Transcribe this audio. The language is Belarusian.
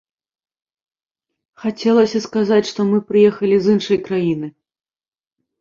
Хацелася сказаць, што мы прыехалі з іншай краіны.